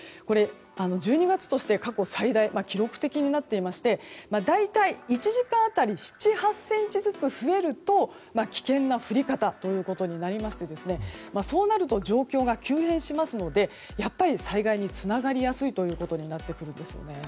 １２月として過去最大記録的になっていまして大体１時間当たり７８ｃｍずつ増えると危険な降り方となりましてそうなると状況が急変しますのでやっぱり災害につながりやすいということになってくるんです。